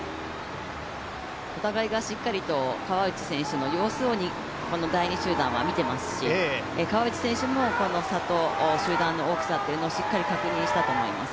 お互いがしっかりと川内選手の様子を第２集団は見ていますし川内選手もこの差と集団の大きさをしっかり確認したと思います。